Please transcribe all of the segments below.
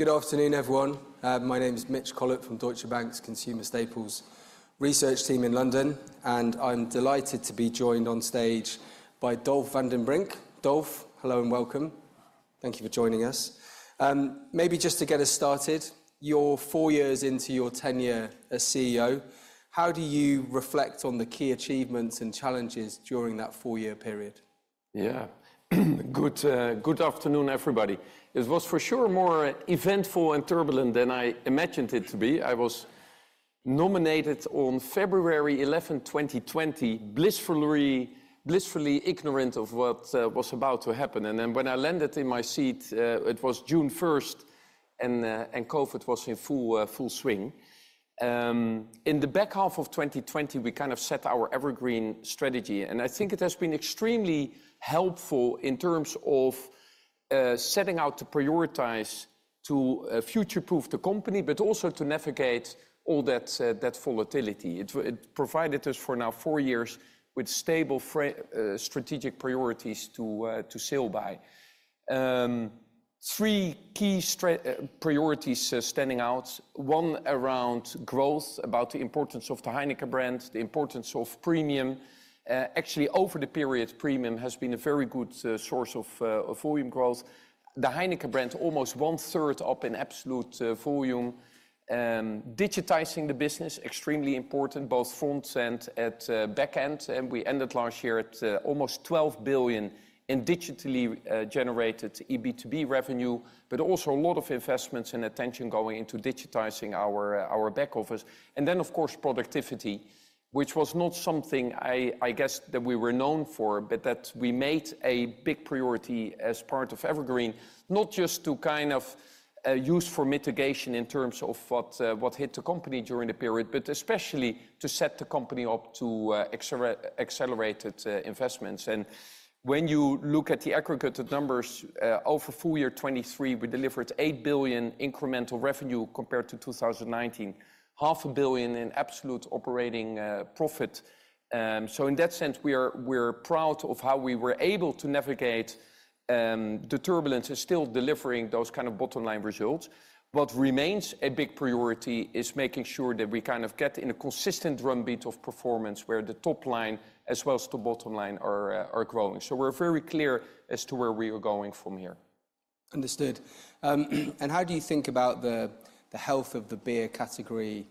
Good afternoon, everyone. My name is Mitch Collett from Deutsche Bank's Consumer Staples research team in London, and I'm delighted to be joined on stage by Dolf van den Brink. Dolf, hello, and welcome. Thank you for joining us. Maybe just to get us started, you're four years into your tenure as CEO, how do you reflect on the key achievements and challenges during that four-year period? Yeah. Good afternoon, everybody. It was for sure more eventful and turbulent than I imagined it to be. I was nominated on February 11, 2020, blissfully, blissfully ignorant of what was about to happen, and then when I landed in my seat, it was June 1st, and, and COVID was in full, full swing. In the back half of 2020, we kind of set our EverGreen strategy, and I think it has been extremely helpful in terms of, setting out to prioritize, to, future-proof the company, but also to navigate all that, that volatility. It provided us, for now four years, with stable strategic priorities to, to sail by. Three key priorities standing out: one around growth, about the importance of the Heineken brand, the importance of premium. Actually, over the period, premium has been a very good source of volume growth. The Heineken brand, almost one third up in absolute volume. Digitizing the business, extremely important, both front end and back end, and we ended last year at almost 12 billion in digitally generated B2B revenue, but also a lot of investments and attention going into digitizing our back office. And then, of course, productivity, which was not something I guess that we were known for, but that we made a big priority as part of EverGreen, not just to kind of use for mitigation in terms of what hit the company during the period, but especially to set the company up to accelerated investments. When you look at the aggregated numbers, over full year 2023, we delivered 8 billion incremental revenue compared to 2019, 0.5 billion in absolute operating profit. So in that sense, we're proud of how we were able to navigate the turbulence and still delivering those kind of bottom-line results. What remains a big priority is making sure that we kind of get in a consistent run rate of performance, where the top line, as well as the bottom line, are growing. So we're very clear as to where we are going from here. Understood. And how do you think about the health of the beer category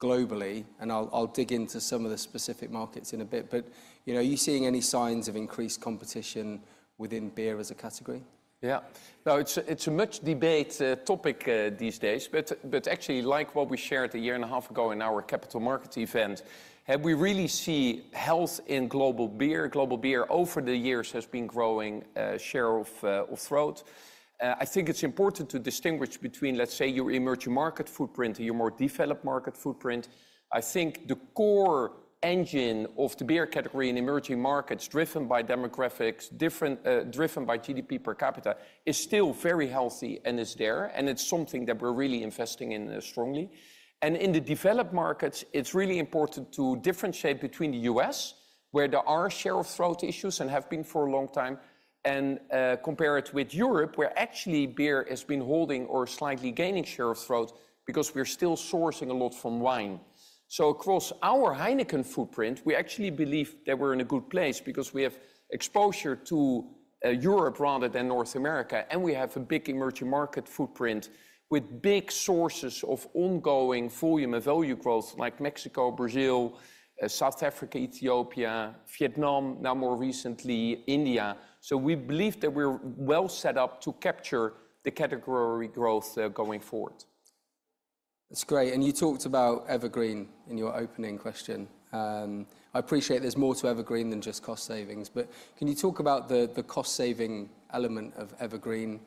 globally? And I'll dig into some of the specific markets in a bit. But, you know, are you seeing any signs of increased competition within beer as a category? Yeah. No, it's a much-debated topic these days, but actually, like what we shared a year and a half ago in our capital markets event, we really see health in global beer. Global beer, over the years, has been growing share of throat. I think it's important to distinguish between, let's say, your emerging market footprint and your more developed market footprint. I think the core engine of the beer category in emerging markets, driven by demographics, driven by GDP per capita, is still very healthy and is there, and it's something that we're really investing in strongly. In the developed markets, it's really important to differentiate between the U.S., where there are share-of-throat issues and have been for a long time, and compare it with Europe, where actually beer has been holding or slightly gaining share of throat because we're still sourcing a lot from wine. So across our Heineken footprint, we actually believe that we're in a good place because we have exposure to Europe rather than North America, and we have a big emerging market footprint with big sources of ongoing volume and value growth like Mexico, Brazil, South Africa, Ethiopia, Vietnam, now more recently, India. So we believe that we're well set up to capture the category growth, going forward. That's great, and you talked about EverGreen in your opening question. I appreciate there's more to EverGreen than just cost savings, but can you talk about the cost-saving element of EverGreen?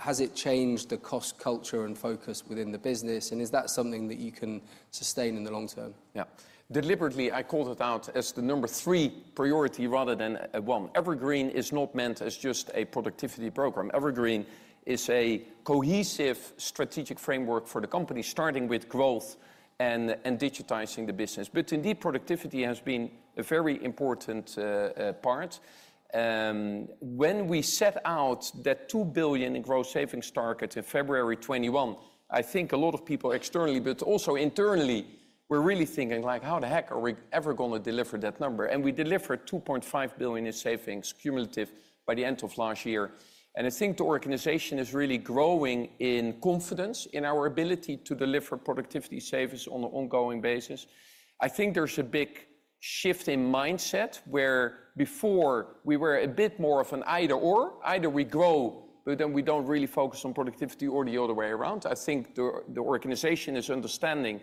Has it changed the cost culture and focus within the business, and is that something that you can sustain in the long term? Yeah. Deliberately, I called it out as the number three priority rather than one. EverGreen is not meant as just a productivity program. EverGreen is a cohesive strategic framework for the company, starting with growth and digitizing the business. But indeed, productivity has been a very important part. When we set out that 2 billion in gross savings target in February 2021, I think a lot of people externally, but also internally, were really thinking like, "How the heck are we ever gonna deliver that number?" And we delivered 2.5 billion in savings cumulative by the end of last year. And I think the organization is really growing in confidence in our ability to deliver productivity savings on an ongoing basis. I think there's a big shift in mindset, where before we were a bit more of an either/or: either we grow, but then we don't really focus on productivity, or the other way around. I think the organization is understanding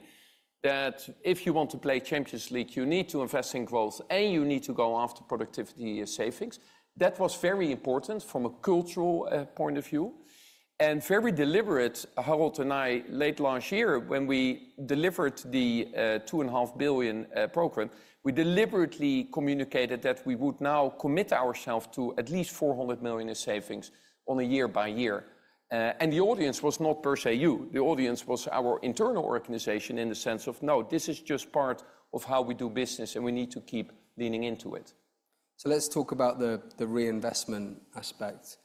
that if you want to play Champions League, you need to invest in growth, and you need to go after productivity savings. That was very important from a cultural point of view and very deliberate. Harold and I, late last year, when we delivered the 2.5 billion program, we deliberately communicated that we would now commit ourselves to at least 400 million in savings on a year-by-year. The audience was not per se you. The audience was our internal organization in the sense of, "No, this is just part of how we do business, and we need to keep leaning into it.... So let's talk about the reinvestment aspect.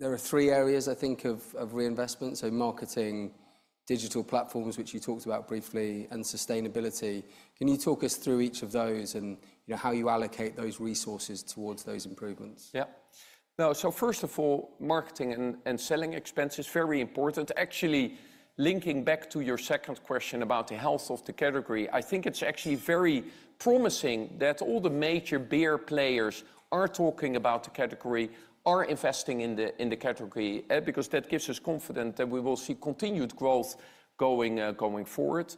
There are three areas, I think, of reinvestment, so marketing, digital platforms, which you talked about briefly, and sustainability. Can you talk us through each of those and, you know, how you allocate those resources towards those improvements? Yeah. Now, first of all, marketing and selling expense is very important. Actually, linking back to your second question about the health of the category, I think it's actually very promising that all the major beer players are talking about the category, are investing in the category. Because that gives us confidence that we will see continued growth going forward.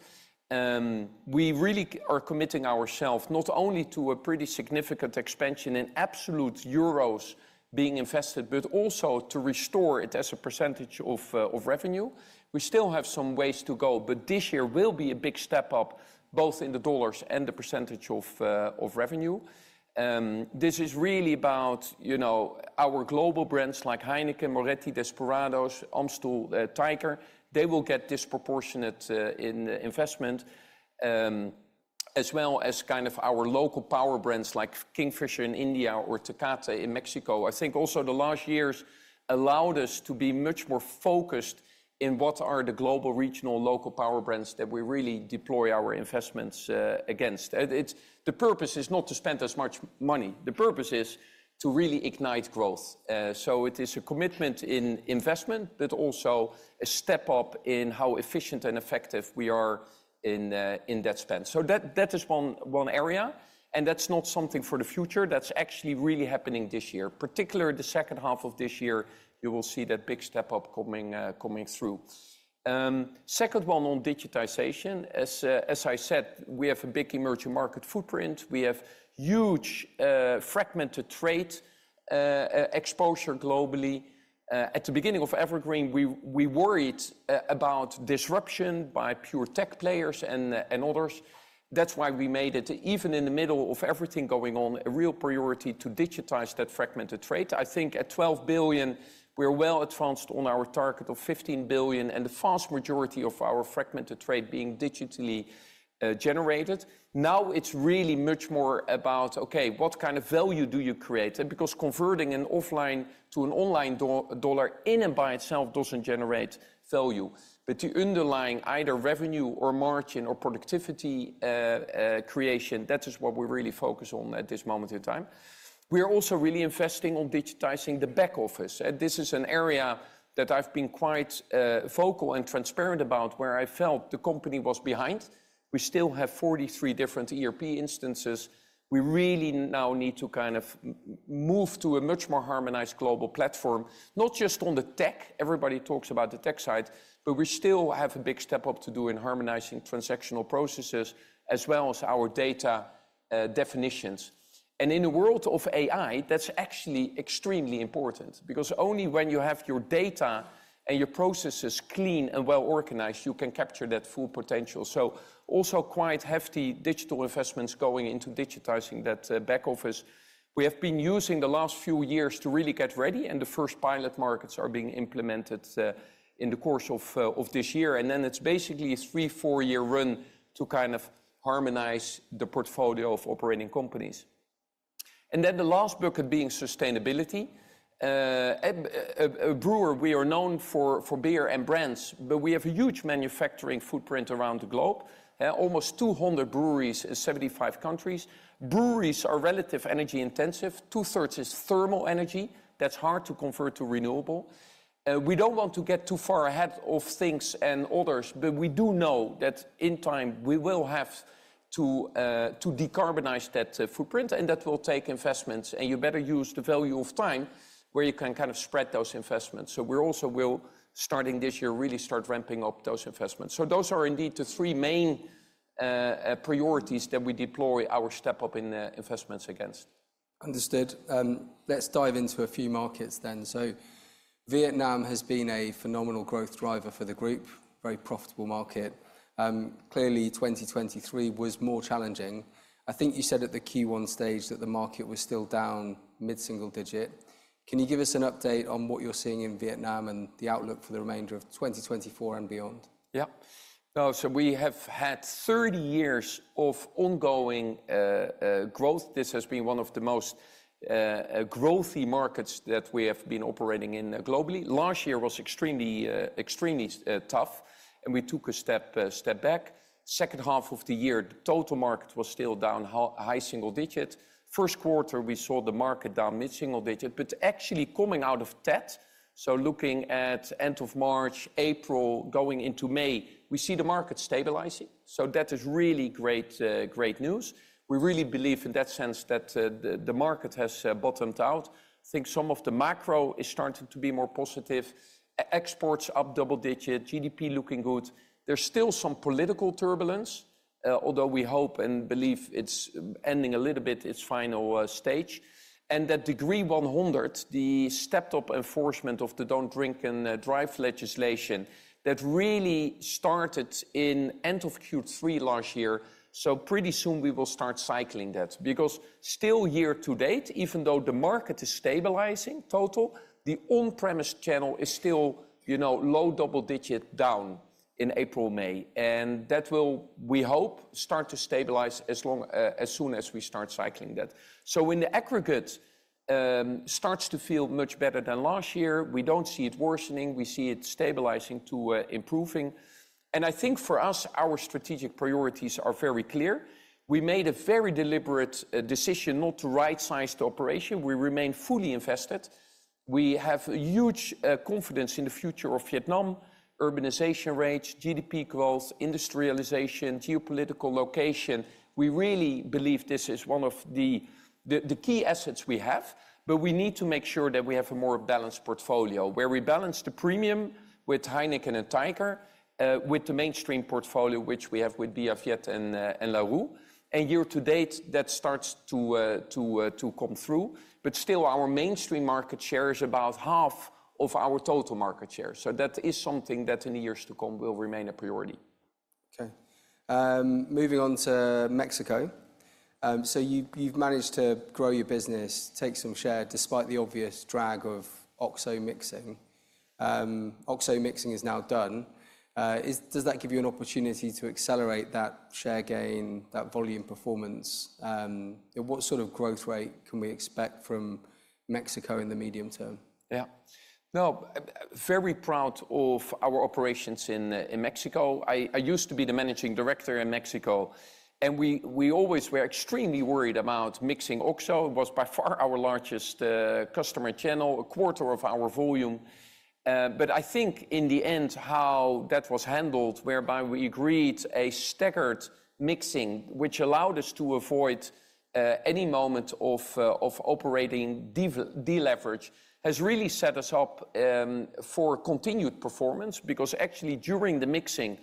We really are committing ourselves not only to a pretty significant expansion in absolute euros being invested but also to restore it as a percentage of revenue. We still have some ways to go, but this year will be a big step up, both in the dollars and the percentage of revenue. This is really about, you know, our global brands like Heineken, Moretti, Desperados, Amstel, Tiger. They will get disproportionate in investment, as well as kind of our local power brands like Kingfisher in India or Tecate in Mexico. I think also the last years allowed us to be much more focused in what are the global, regional, local power brands that we really deploy our investments against. And it's... the purpose is not to spend as much money. The purpose is to really ignite growth. So it is a commitment in investment but also a step up in how efficient and effective we are in that spend. So that is one area, and that's not something for the future. That's actually really happening this year. Particularly the second half of this year, you will see that big step up coming through. Second one on digitization. As I said, we have a big emerging market footprint. We have huge fragmented trade exposure globally. At the beginning of EverGreen, we worried about disruption by pure tech players and others. That's why we made it, even in the middle of everything going on, a real priority to digitize that fragmented trade. I think at 12 billion, we're well advanced on our target of 15 billion, and the vast majority of our fragmented trade being digitally generated. Now, it's really much more about, okay, what kind of value do you create? And because converting an offline to an online dollar in and by itself doesn't generate value. But the underlying either revenue or margin or productivity creation, that is what we're really focused on at this moment in time. We're also really investing on digitizing the back office, and this is an area that I've been quite vocal and transparent about, where I felt the company was behind. We still have 43 different ERP instances. We really now need to kind of move to a much more harmonized global platform, not just on the tech. Everybody talks about the tech side, but we still have a big step up to do in harmonizing transactional processes, as well as our data definitions. And in the world of AI, that's actually extremely important because only when you have your data and your processes clean and well-organized, you can capture that full potential. So also quite hefty digital investments going into digitizing that back office. We have been using the last few years to really get ready, and the first pilot markets are being implemented in the course of this year, and then it's basically a 3-4-year run to kind of harmonize the portfolio of operating companies. And then the last bucket being sustainability. A brewer, we are known for beer and brands, but we have a huge manufacturing footprint around the globe. Almost 200 breweries in 75 countries. Breweries are relative energy intensive. 2/3 is thermal energy. That's hard to convert to renewable. We don't want to get too far ahead of things and others, but we do know that, in time, we will have to decarbonize that footprint, and that will take investments. And you better use the value of time, where you can kind of spread those investments. We also will, starting this year, really start ramping up those investments. Those are indeed the three main priorities that we deploy our step up in investments against. Understood. Let's dive into a few markets then. So Vietnam has been a phenomenal growth driver for the group, very profitable market. Clearly, 2023 was more challenging. I think you said at the Q1 stage that the market was still down mid-single digit. Can you give us an update on what you're seeing in Vietnam and the outlook for the remainder of 2024 and beyond? Yeah. Now, so we have had 30 years of ongoing growth. This has been one of the most growthy markets that we have been operating in globally. Last year was extremely tough, and we took a step back. Second half of the year, the total market was still down high single digit. First quarter, we saw the market down mid-single digit, but actually coming out of Tet, so looking at end of March, April, going into May, we see the market stabilizing, so that is really great news. We really believe in that sense that the market has bottomed out. Think some of the macro is starting to be more positive, exports up double digit, GDP looking good. There's still some political turbulence, although we hope and believe it's ending a little bit its final stage. And that Decree 100, the stepped-up enforcement of the don't drink and drive legislation, that really started in end of Q3 last year, so pretty soon we will start cycling that. Because still year to date, even though the market is stabilizing, total, the on-trade channel is still, you know, low double-digit down in April, May, and that will, we hope, start to stabilize as long as soon as we start cycling that. So when the aggregate starts to feel much better than last year, we don't see it worsening, we see it stabilizing to improving. And I think for us, our strategic priorities are very clear. We made a very deliberate decision not to rightsize the operation. We remain fully invested. We have a huge confidence in the future of Vietnam, urbanization rates, GDP growth, industrialization, geopolitical location. We really believe this is one of the, the, the key assets we have, but we need to make sure that we have a more balanced portfolio, where we balance the premium with Heineken and Tiger with the mainstream portfolio, which we have with Bia Viet and Larue. And year to date, that starts to come through, but still our mainstream market share is about half of our total market share. So that is something that in the years to come will remain a priority. Okay. Moving on to Mexico. So you, you've managed to grow your business, take some share, despite the obvious drag of OXXO mixing. OXXO mixing is now done. Does that give you an opportunity to accelerate that share gain, that volume performance? And what sort of growth rate can we expect from Mexico in the medium term? Yeah. Now, very proud of our operations in, in Mexico. I, I used to be the managing director in Mexico, and we, we always were extremely worried about mixing OXXO. It was by far our largest, customer channel, a quarter of our volume. But I think in the end, how that was handled, whereby we agreed a staggered mixing, which allowed us to avoid, any moment of, of operating deleverage, has really set us up, for continued performance. Because actually, during the mixing,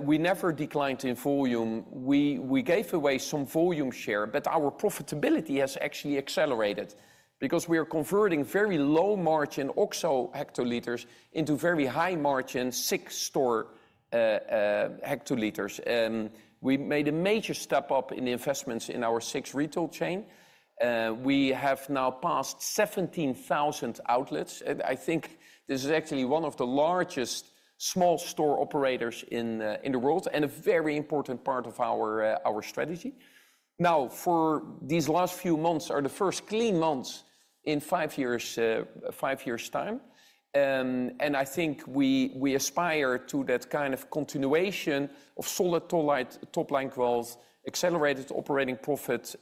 we never declined in volume. We, we gave away some volume share, but our profitability has actually accelerated because we are converting very low-margin OXXO hectoliters into very high-margin Six store, hectoliters. We made a major step up in the investments in our Six retail chain. We have now passed 17,000 outlets, and I think this is actually one of the largest small store operators in the world, and a very important part of our strategy. Now, for these last few months are the first clean months in five years, five years' time. And I think we aspire to that kind of continuation of solid topline, top-line growth, accelerated operating profit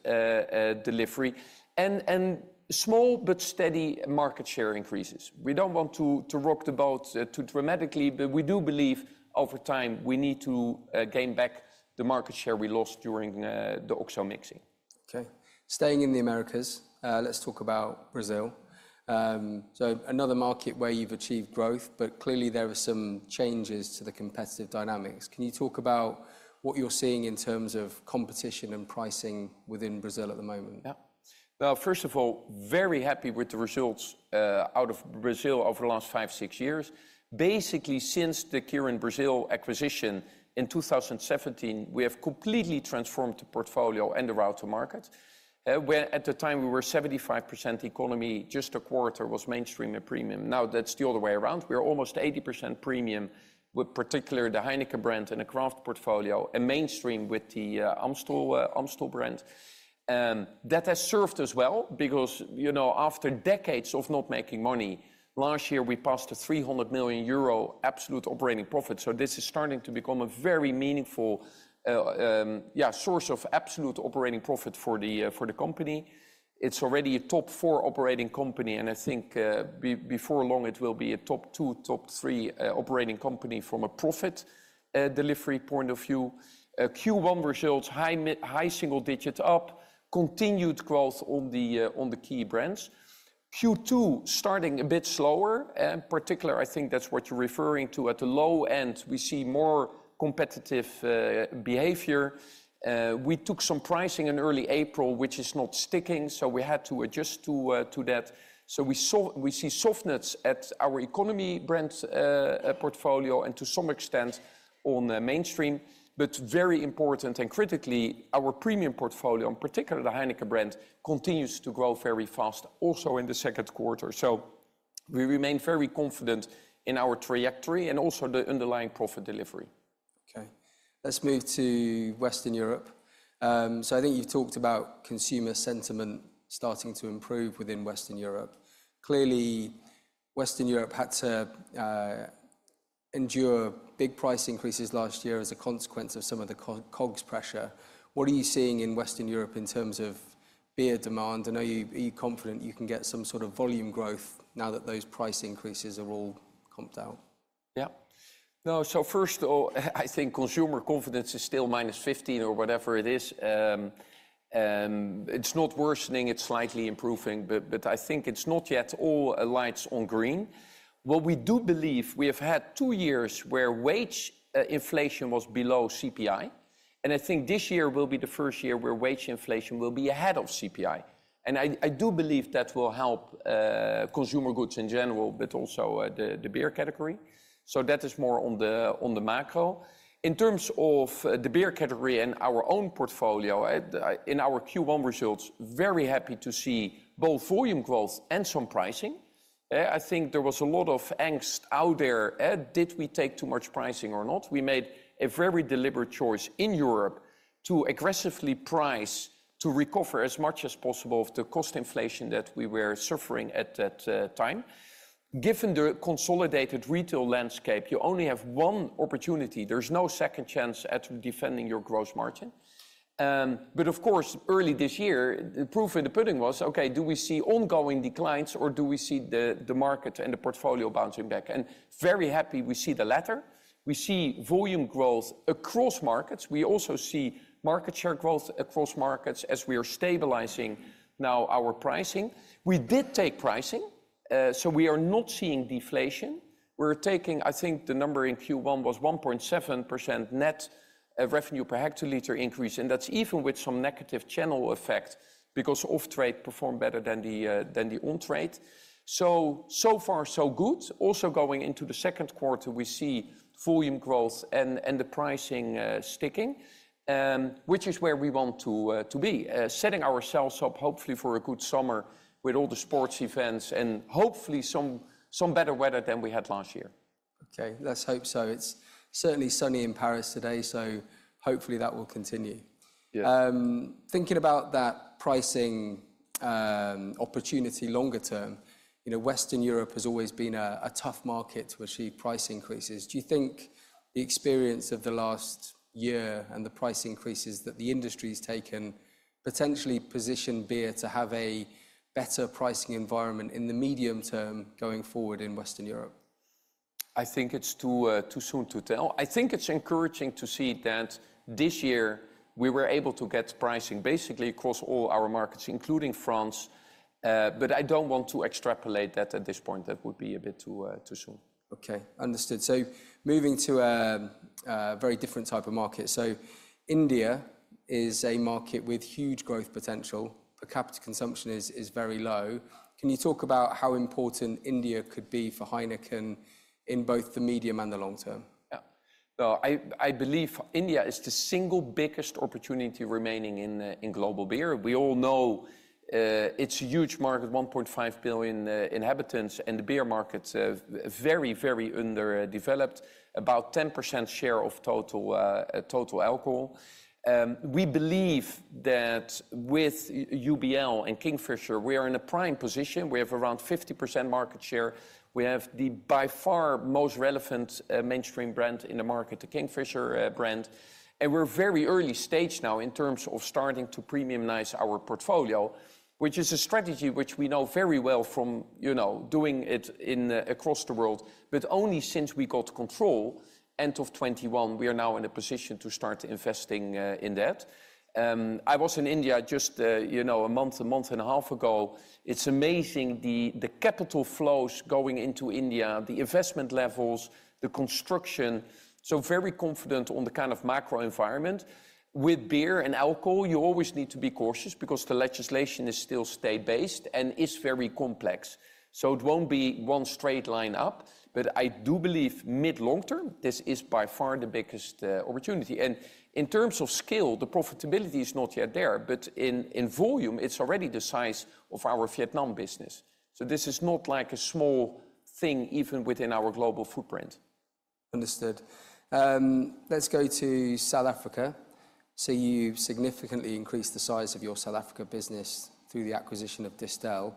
delivery, and small but steady market share increases. We don't want to rock the boat too dramatically, but we do believe over time we need to gain back the market share we lost during the OXXO mixing. Okay. Staying in the Americas, let's talk about Brazil. So another market where you've achieved growth, but clearly there are some changes to the competitive dynamics. Can you talk about what you're seeing in terms of competition and pricing within Brazil at the moment? Yeah. Well, first of all, very happy with the results out of Brazil over the last 5-6 years. Basically, since the Brasil Kirin acquisition in 2017, we have completely transformed the portfolio and the route to market. Where at the time, we were 75% economy, just a quarter was mainstream and premium. Now, that's the other way around. We're almost 80% premium, with particular the Heineken brand and the craft portfolio and mainstream with the Amstel, Amstel brand. That has served us well because, you know, after decades of not making money, last year we passed a 300 million euro absolute operating profit, so this is starting to become a very meaningful source of absolute operating profit for the company. It's already a top four operating company, and I think, before long it will be a top two, top three operating company from a profit delivery point of view. Q1 results, high single digits up, continued growth on the key brands. Q2, starting a bit slower, and in particular, I think that's what you're referring to. At the low end, we see more competitive behavior. We took some pricing in early April, which is not sticking, so we had to adjust to that. So we see softness at our economy brands portfolio and to some extent on the mainstream, but very important and critically, our premium portfolio, in particular the Heineken brand, continues to grow very fast also in the second quarter. We remain very confident in our trajectory and also the underlying profit delivery. Okay, let's move to Western Europe. So I think you've talked about consumer sentiment starting to improve within Western Europe. Clearly, Western Europe had to endure big price increases last year as a consequence of some of the COGS pressure. What are you seeing in Western Europe in terms of beer demand, and are you confident you can get some sort of volume growth now that those price increases are all comped out? Yeah. Now, so first of all, I think consumer confidence is still minus 15 or whatever it is. It's not worsening, it's slightly improving, but I think it's not yet all lights on green. What we do believe, we have had two years where wage inflation was below CPI, and I think this year will be the first year where wage inflation will be ahead of CPI. And I do believe that will help consumer goods in general, but also the beer category. So that is more on the macro. In terms of the beer category and our own portfolio, in our Q1 results, very happy to see both volume growth and some pricing. I think there was a lot of angst out there. Did we take too much pricing or not? We made a very deliberate choice in Europe to aggressively price, to recover as much as possible of the cost inflation that we were suffering at that time. Given the consolidated retail landscape, you only have one opportunity. There's no second chance at defending your gross margin. But of course, early this year, the proof in the pudding was, okay, do we see ongoing declines, or do we see the market and the portfolio bouncing back? And very happy, we see the latter. We see volume growth across markets. We also see market share growth across markets as we are stabilizing now our pricing. We did take pricing, so we are not seeing deflation. We're taking, I think the number in Q1 was 1.7% net revenue per hectoliter increase, and that's even with some negative channel effect because off-trade performed better than the on-trade. So, so far, so good. Also, going into the second quarter, we see volume growth and the pricing sticking, which is where we want to be. Setting ourselves up, hopefully, for a good summer with all the sports events and hopefully some better weather than we had last year. Okay, let's hope so. It's certainly sunny in Paris today, so hopefully that will continue. Yeah. Thinking about that pricing, opportunity longer term, you know, Western Europe has always been a tough market to achieve price increases. Do you think the experience of the last year and the price increases that the industry's taken potentially position beer to have a better pricing environment in the medium term going forward in Western Europe? I think it's too too soon to tell. I think it's encouraging to see that this year we were able to get pricing basically across all our markets, including France. But I don't want to extrapolate that at this point. That would be a bit too too soon. Okay, understood. So moving to a very different type of market. So India is a market with huge growth potential. Per capita consumption is very low. Can you talk about how important India could be for Heineken in both the medium and the long term? Yeah. So I believe India is the single biggest opportunity remaining in global beer. We all know it's a huge market, 1.5 billion inhabitants, and the beer market's very, very underdeveloped. About 10% share of total alcohol. We believe that with UBL and Kingfisher, we are in a prime position. We have around 50% market share. We have the, by far, most relevant mainstream brand in the market, the Kingfisher brand. And we're very early stage now in terms of starting to premiumize our portfolio, which is a strategy which we know very well from, you know, doing it across the world, but only since we got control, end of 2021, we are now in a position to start investing in that. I was in India just, you know, a month, a month and a half ago. It's amazing, the capital flows going into India, the investment levels, the construction, so very confident on the kind of macro environment. With beer and alcohol, you always need to be cautious because the legislation is still state-based and is very complex, so it won't be one straight line up. But I do believe mid-long term, this is by far the biggest, opportunity. And in terms of scale, the profitability is not yet there, but in volume, it's already the size of our Vietnam business, so this is not like a small thing, even within our global footprint. Understood. Let's go to South Africa. So you've significantly increased the size of your South Africa business through the acquisition of Distell.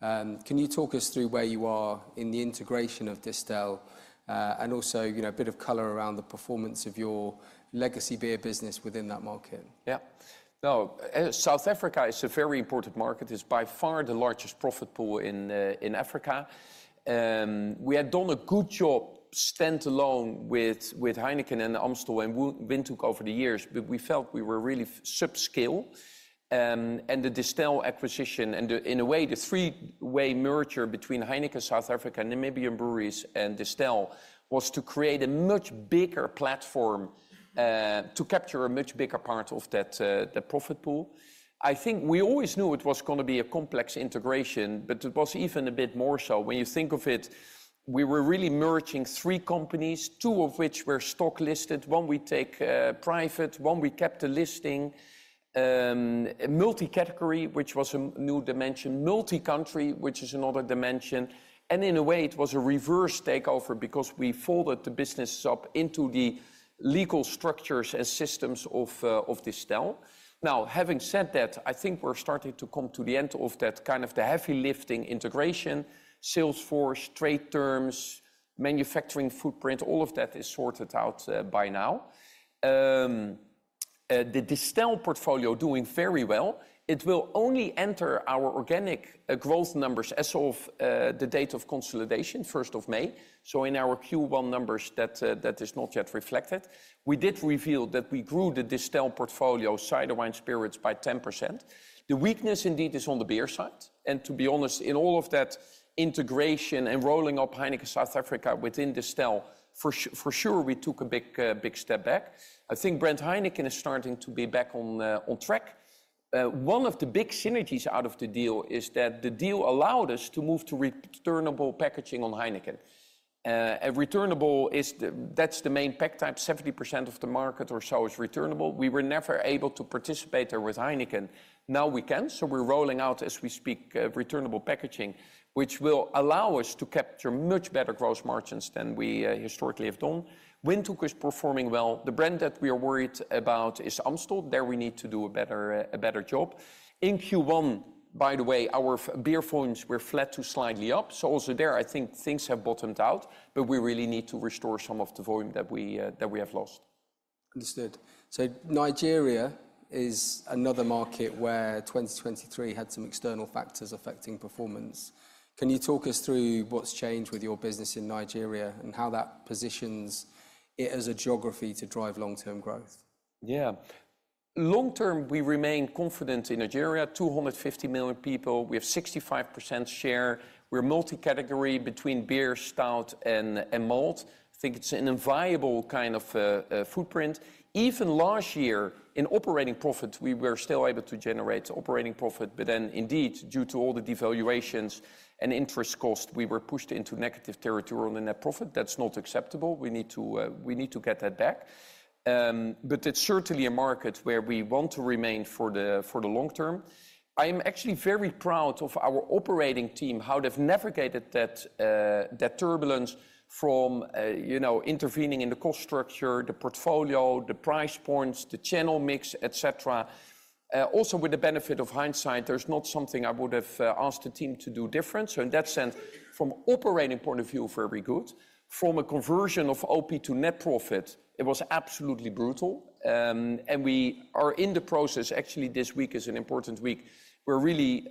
Can you talk us through where you are in the integration of Distell? And also, you know, a bit of color around the performance of your legacy beer business within that market. Yeah. So, South Africa is a very important market. It's by far the largest profit pool in, in Africa. We had done a good job standalone with, with Heineken and Amstel and Windhoek over the years, but we felt we were really subscale. And the Distell acquisition, and the, in a way, the three-way merger between Heineken South Africa, Namibian Breweries, and Distell, was to create a much bigger platform, to capture a much bigger part of that, that profit pool. I think we always knew it was gonna be a complex integration, but it was even a bit more so. When you think of it, we were really merging three companies, two of which were stock listed. One we take, private, one we kept the listing. Multi-category, which was a new dimension, multi-country, which is another dimension, and in a way, it was a reverse takeover because we folded the business up into the legal structures and systems of Distell. Now, having said that, I think we're starting to come to the end of that kind of the heavy lifting integration, sales force, trade terms, manufacturing footprint, all of that is sorted out by now. The Distell portfolio doing very well. It will only enter our organic growth numbers as of the date of consolidation, first of May. So in our Q1 numbers, that is not yet reflected. We did reveal that we grew the Distell portfolio, cider wine spirits, by 10%. The weakness, indeed, is on the beer side, and to be honest, in all of that integration and rolling up Heineken South Africa within Distell, for sure, we took a big, big step back. I think brand Heineken is starting to be back on, on track. One of the big synergies out of the deal is that the deal allowed us to move to returnable packaging on Heineken, and returnable is the, that's the main pack type, 70% of the market or so is returnable. We were never able to participate there with Heineken. Now we can, so we're rolling out, as we speak, returnable packaging, which will allow us to capture much better gross margins than we, historically have done. Windhoek is performing well. The brand that we are worried about is Amstel. There we need to do a better job. In Q1, by the way, our beer volumes were flat to slightly up, so also there I think things have bottomed out, but we really need to restore some of the volume that we have lost. Understood. So Nigeria is another market where 2023 had some external factors affecting performance. Can you talk us through what's changed with your business in Nigeria and how that positions it as a geography to drive long-term growth? Yeah. Long term, we remain confident in Nigeria, 250 million people, we have 65% share. We're multi-category between beer, stout, and malt. I think it's an enviable kind of footprint. Even last year, in operating profit, we were still able to generate operating profit, but then indeed, due to all the devaluations and interest cost, we were pushed into negative territory on the net profit. That's not acceptable. We need to we need to get that back. But it's certainly a market where we want to remain for the long term. I'm actually very proud of our operating team, how they've navigated that turbulence from you know, intervening in the cost structure, the portfolio, the price points, the channel mix, et cetera. Also, with the benefit of hindsight, there's not something I would have asked the team to do different. So in that sense, from operating point of view, very good. From a conversion of OP to net profit, it was absolutely brutal. And we are in the process... Actually, this week is an important week. We're really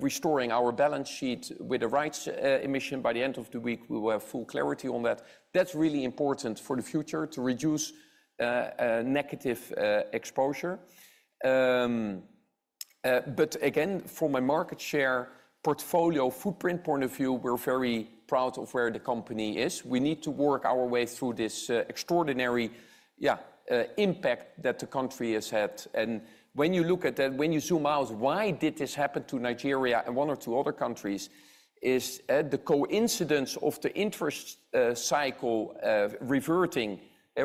restoring our balance sheet with the rights emission. By the end of the week, we will have full clarity on that. That's really important for the future, to reduce negative exposure. But again, from a market share, portfolio, footprint point of view, we're very proud of where the company is. We need to work our way through this extraordinary, yeah, impact that the country has had. And when you look at that, when you zoom out, why did this happen to Nigeria and one or two other countries? It's the coincidence of the interest cycle reverting,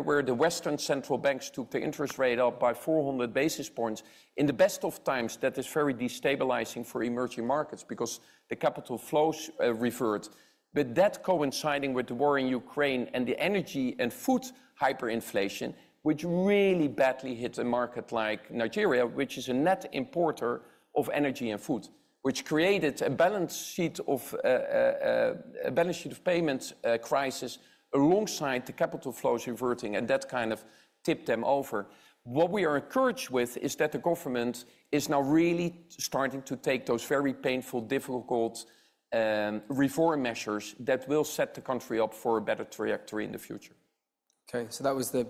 where the Western central banks took the interest rate up by 400 basis points. In the best of times, that is very destabilizing for emerging markets because the capital flows reverted. But that coinciding with the war in Ukraine and the energy and food hyperinflation, which really badly hit a market like Nigeria, which is a net importer of energy and food, which created a balance-of-payments crisis alongside the capital flows reverting, and that kind of tipped them over. What we are encouraged with is that the government is now really starting to take those very painful, difficult, reform measures that will set the country up for a better trajectory in the future. Okay, so that was the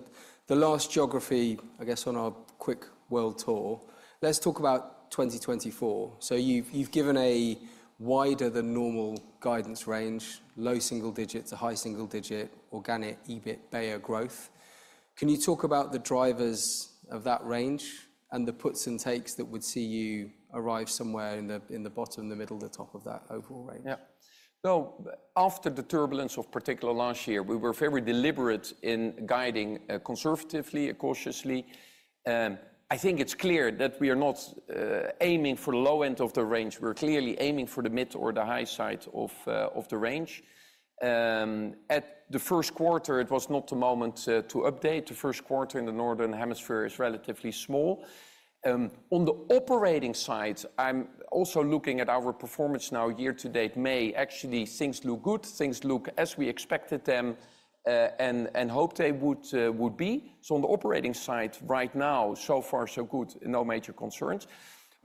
last geography, I guess, on our quick world tour. Let's talk about 2024. So you've given a wider than normal guidance range, low single digits to high single digits, organic EBIT (be) growth. Can you talk about the drivers of that range and the puts and takes that would see you arrive somewhere in the bottom, the middle, the top of that overall range? Yeah. So after the turbulence of particularly last year, we were very deliberate in guiding conservatively and cautiously. I think it's clear that we are not aiming for the low end of the range. We're clearly aiming for the mid or the high side of the range. At the first quarter, it was not the moment to update. The first quarter in the Northern Hemisphere is relatively small. On the operating side, I'm also looking at our performance now year to date, May. Actually, things look good. Things look as we expected them and hoped they would be. So on the operating side, right now, so far, so good, no major concerns.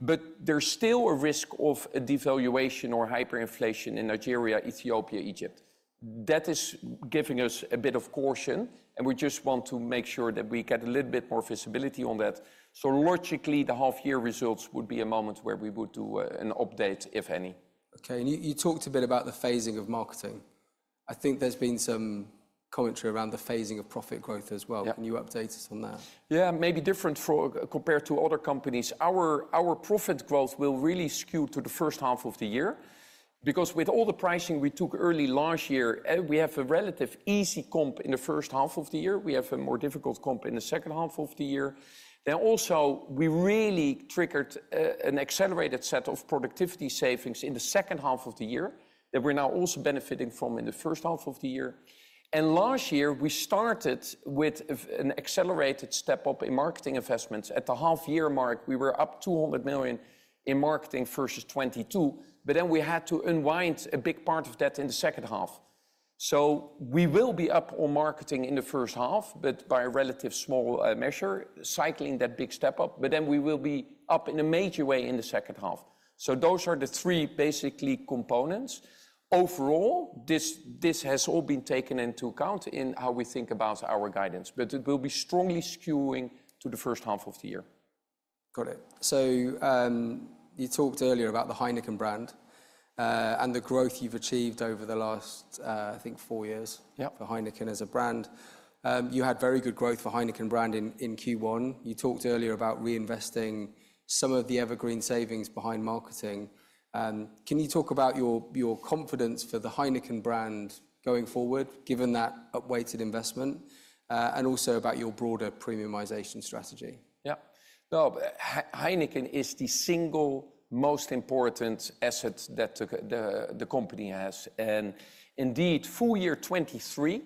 But there's still a risk of a devaluation or hyperinflation in Nigeria, Ethiopia, Egypt. That is giving us a bit of caution, and we just want to make sure that we get a little bit more visibility on that. So logically, the half year results would be a moment where we would do an update, if any. Okay, and you talked a bit about the phasing of marketing. I think there's been some commentary around the phasing of profit growth as well. Yeah. Can you update us on that? Yeah, maybe different for, compared to other companies. Our, our profit growth will really skew to the first half of the year. Because with all the pricing we took early last year, we have a relative easy comp in the first half of the year. We have a more difficult comp in the second half of the year. Then also, we really triggered an accelerated set of productivity savings in the second half of the year, that we're now also benefiting from in the first half of the year. And last year, we started with an accelerated step-up in marketing investments. At the half year mark, we were up 200 million in marketing versus 2022, but then we had to unwind a big part of that in the second half. So we will be up on marketing in the first half, but by a relatively small measure, cycling that big step up, but then we will be up in a major way in the second half. So those are the three basic components. Overall, this has all been taken into account in how we think about our guidance, but it will be strongly skewing to the first half of the year. Got it. So, you talked earlier about the Heineken brand, and the growth you've achieved over the last, I think four years- Yeah... for Heineken as a brand. You had very good growth for Heineken brand in Q1. You talked earlier about reinvesting some of the EverGreen savings behind marketing. Can you talk about your confidence for the Heineken brand going forward, given that up-weighted investment, and also about your broader premiumization strategy? Yeah. Well, Heineken is the single most important asset that the company has. And indeed, full year 2023,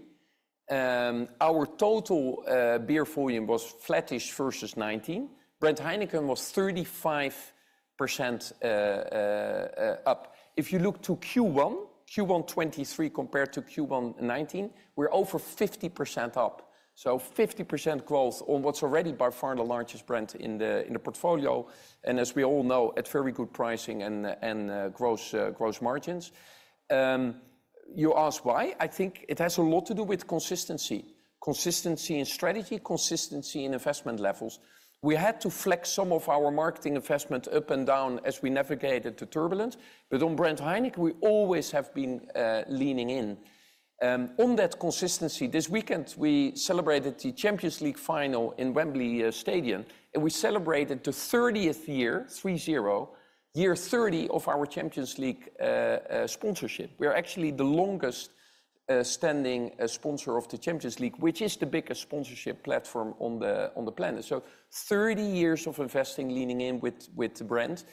our total beer volume was flattish versus 2019. Brand Heineken was 35% up. If you look to Q1 2023 compared to Q1 2019, we're over 50% up, so 50% growth on what's already by far the largest brand in the portfolio, and as we all know, at very good pricing and gross margins. You ask why? I think it has a lot to do with consistency. Consistency in strategy, consistency in investment levels. We had to flex some of our marketing investment up and down as we navigated the turbulence, but on brand Heineken, we always have been leaning in. On that consistency, this weekend we celebrated the Champions League final in Wembley Stadium, and we celebrated the 30th year, 30, year 30 of our Champions League sponsorship. We are actually the longest standing sponsor of the Champions League, which is the biggest sponsorship platform on the planet. So 30 years of investing, leaning in with the brand.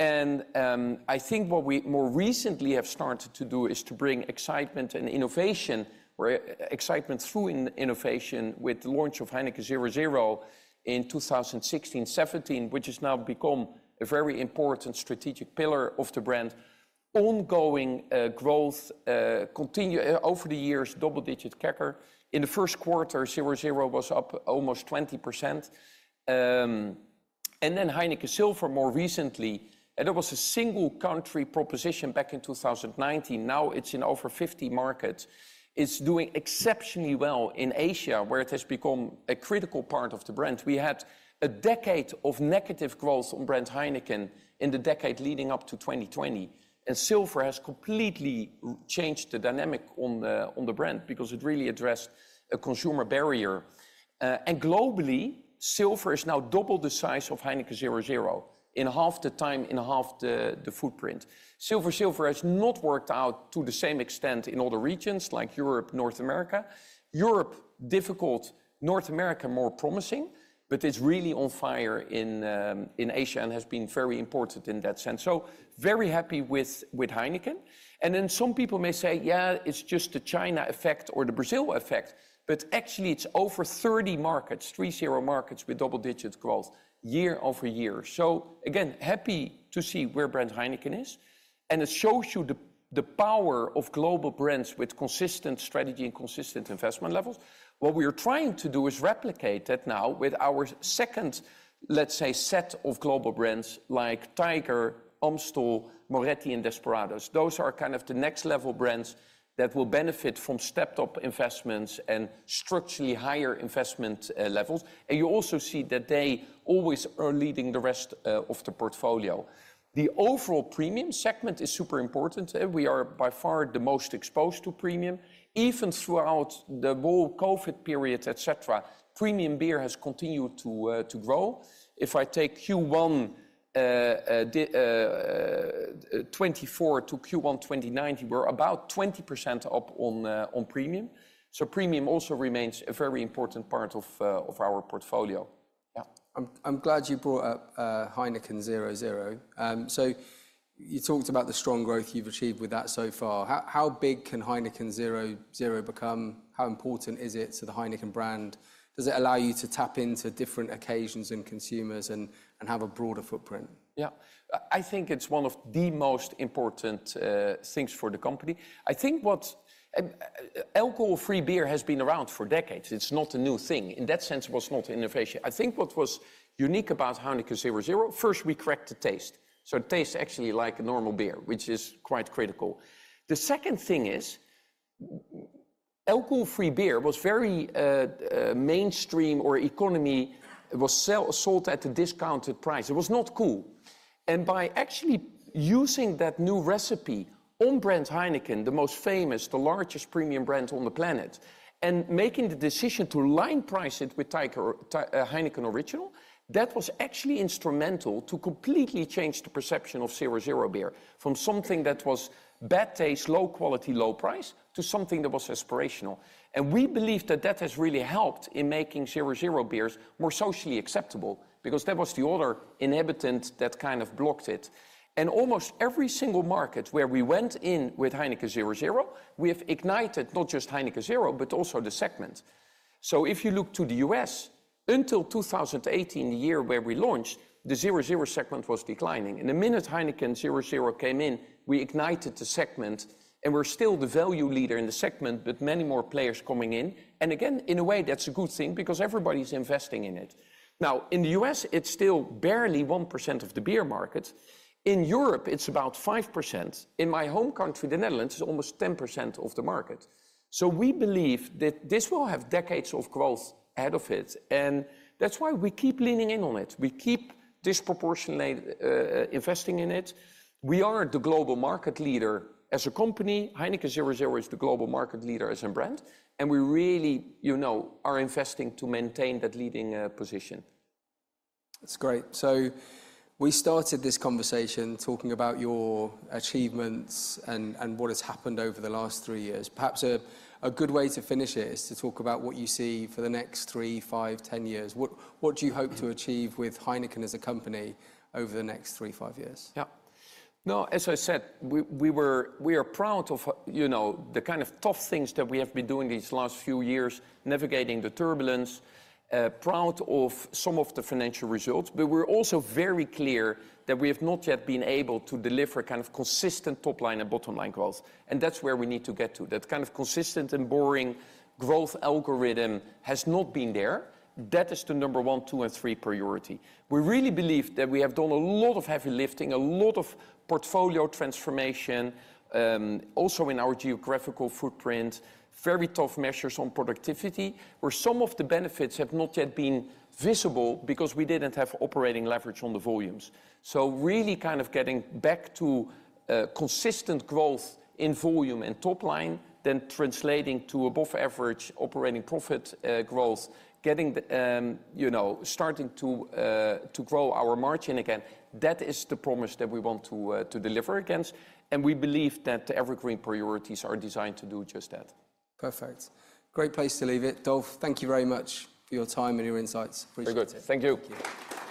I think what we more recently have started to do is to bring excitement and innovation, or excitement through innovation with the launch of Heineken 0.0 in 2016, 2017, which has now become a very important strategic pillar of the brand. Ongoing growth over the years, double-digit CAGR. In the first quarter, 0.0 was up almost 20%. And then Heineken Silver more recently, and it was a single country proposition back in 2019. Now, it's in over 50 markets. It's doing exceptionally well in Asia, where it has become a critical part of the brand. We had a decade of negative growth on brand Heineken in the decade leading up to 2020, and Silver has completely changed the dynamic on the, on the brand because it really addressed a consumer barrier. And globally, Silver is now double the size of Heineken 0.0 in half the time, in half the, the footprint. Silver, Silver has not worked out to the same extent in other regions like Europe, North America. Europe, difficult. North America, more promising. But it's really on fire in, in Asia and has been very important in that sense. So very happy with, with Heineken, and then some people may say, "Yeah, it's just the China effect or the Brazil effect," but actually it's over 30 markets, 30 markets, with double-digit growth year over year. So again, happy to see where brand Heineken is, and it shows you the, the power of global brands with consistent strategy and consistent investment levels. What we are trying to do is replicate that now with our second, let's say, set of global brands like Tiger, Amstel, Moretti, and Desperados. Those are kind of the next level brands that will benefit from stepped up investments and structurally higher investment levels. And you also see that they always are leading the rest of the portfolio. The overall premium segment is super important, and we are by far the most exposed to premium. Even throughout the whole COVID period, et cetera, premium beer has continued to grow. If I take Q1 2024 to Q1 2019, we're about 20% up on premium, so premium also remains a very important part of our portfolio. Yeah. I'm glad you brought up Heineken 0.0. So you talked about the strong growth you've achieved with that so far. How big can Heineken 0.0 become? How important is it to the Heineken brand? Does it allow you to tap into different occasions and consumers and have a broader footprint? Yeah. I think it's one of the most important things for the company. I think what alcohol-free beer has been around for decades. It's not a new thing. In that sense, it was not innovation. I think what was unique about Heineken 0.0, first, we cracked the taste, so it tastes actually like a normal beer, which is quite critical. The second thing is, alcohol-free beer was very mainstream or economy. It was sold at a discounted price. It was not cool, and by actually using that new recipe on brand Heineken, the most famous, the largest premium brand on the planet, and making the decision to line price it with Tiger or T... Heineken Original, that was actually instrumental to completely change the perception of 0.0 beer from something that was bad taste, low quality, low price, to something that was aspirational. And we believe that that has really helped in making 0.0 beers more socially acceptable, because that was the other inhibitor that kind of blocked it. And almost every single market where we went in with Heineken 0.0, we have ignited not just Heineken 0.0, but also the segment. So if you look to the US, until 2018, the year where we launched, the 0.0 segment was declining, and the minute Heineken 0.0 came in, we ignited the segment, and we're still the value leader in the segment with many more players coming in. And again, in a way, that's a good thing because everybody's investing in it. Now, in the U.S., it's still barely 1% of the beer market. In Europe, it's about 5%. In my home country, the Netherlands, it's almost 10% of the market. So we believe that this will have decades of growth ahead of it, and that's why we keep leaning in on it. We keep disproportionately investing in it. We are the global market leader as a company. Heineken 0.0 is the global market leader as a brand, and we really, you know, are investing to maintain that leading position. That's great. So we started this conversation talking about your achievements and what has happened over the last three years. Perhaps a good way to finish it is to talk about what you see for the next three, five, 10 years. What do you hope to achieve with Heineken as a company over the next three, five years? Yeah. Now, as I said, we are proud of, you know, the kind of tough things that we have been doing these last few years, navigating the turbulence, proud of some of the financial results, but we're also very clear that we have not yet been able to deliver kind of consistent top-line and bottom-line growth, and that's where we need to get to. That kind of consistent and boring growth algorithm has not been there. That is the number one, two, and three priority. We really believe that we have done a lot of heavy lifting, a lot of portfolio transformation, also in our geographical footprint, very tough measures on productivity, where some of the benefits have not yet been visible because we didn't have operating leverage on the volumes. So really kind of getting back to consistent growth in volume and top line, then translating to above-average operating profit growth. Getting the, you know, starting to grow our margin again, that is the promise that we want to deliver against, and we believe that the EverGreen priorities are designed to do just that. Perfect. Great place to leave it. Dolf, thank you very much for your time and your insights. Appreciate it. Very good. Thank you.